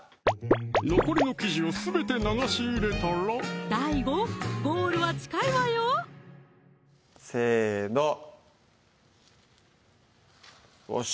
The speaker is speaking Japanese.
残りの生地をすべて流し入れたらＤＡＩＧＯゴールは近いわよせのよし！